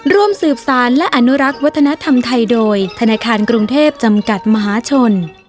ร่วมสืบสารและอนุรักษ์วัฒนธรรมไทยโดยธนาคารกรุงเทพจำกัดมหาชน